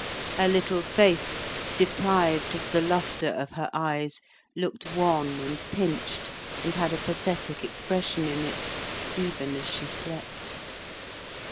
Her little face, deprived of the lustre of her eyes, looked wan and pinched, and had a pathetic expression in it, even as she slept.